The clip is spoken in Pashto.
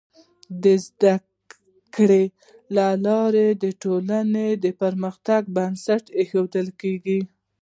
د زده کړې له لارې د ټولنې د پرمختګ بنسټ ایښودل کيږي.